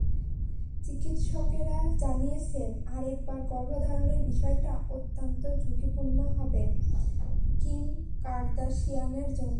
চিকিৎসকেরা জানিয়েছেন, আরেকবার গর্ভধারণের বিষয়টা অত্যন্ত ঝুঁকিপূর্ণ হবে কিম কার্দাশিয়ানের জন্য।